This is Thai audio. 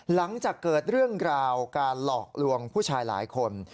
หลังจากเกิดเรื่องราวการหลอกลวงผู้ชายหลายคน